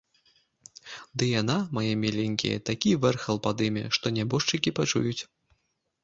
Ды яна, мае міленькія, такі вэрхал падыме, што нябожчыкі пачуюць.